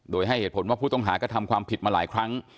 โดยให้เหตุผลว่าผู้ต้องหากระทำความผิดมาหลายครั้ง